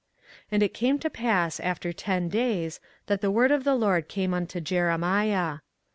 24:042:007 And it came to pass after ten days, that the word of the LORD came unto Jeremiah.